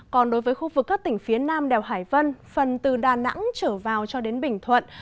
còn đối với khu vực các tỉnh phía nam đèo hải vân phần từ đà nẵng trở vào cho đến bình thuận